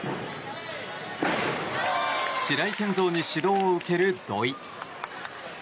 白井健三に指導を受ける土井。